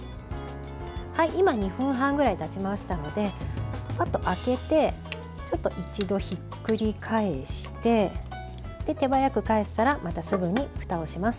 今２分半くらいたちましたので開けて一度ひっくり返して手早く返したらまたすぐにふたをします。